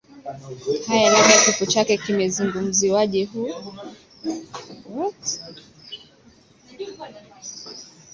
haya labda kifo chake kimezumziwaje hu